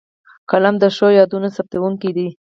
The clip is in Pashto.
قلم د ښو یادونو ثبتوونکی دی